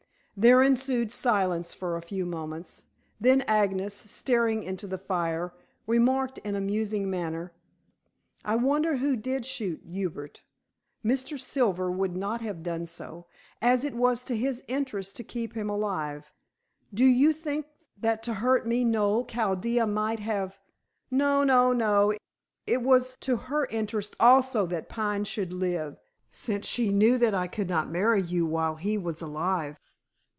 There ensued silence for a few moments. Then Agnes, staring into the fire, remarked in a musing manner, "I wonder who did shoot Hubert. Mr. Silver would not have done so, as it was to his interest to keep him alive. Do you think that to hurt me, Noel, Chaldea might have " "No! No! No! It was to her interest also that Pine should live, since she knew that I could not marry you while he was alive."